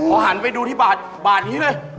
พอหันไปดูที่บาทนี้เลย